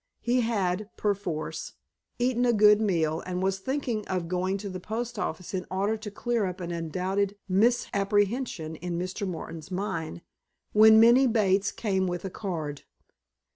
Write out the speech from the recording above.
He had, perforce, eaten a good meal, and was thinking of going to the post office in order to clear up an undoubted misapprehension in Mr. Martin's mind, when Minnie Bates came with a card.